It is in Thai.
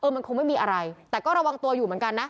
มันคงไม่มีอะไรแต่ก็ระวังตัวอยู่เหมือนกันนะ